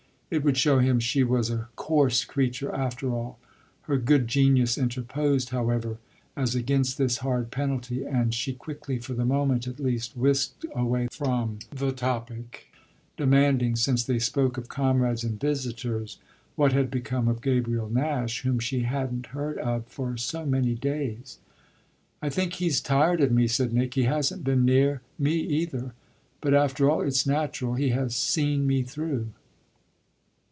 It would show him she was a coarse creature after all. Her good genius interposed, however, as against this hard penalty, and she quickly, for the moment at least, whisked away from the topic, demanding, since they spoke of comrades and visitors, what had become of Gabriel Nash, whom she hadn't heard of for so many days. "I think he's tired of me," said Nick; "he hasn't been near me either. But after all it's natural he has seen me through."